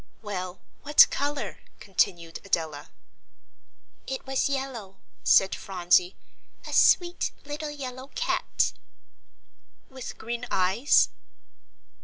"Well, what colour?" continued Adela. "It was yellow," said Phronsie, "a sweet little yellow cat." "With green eyes?"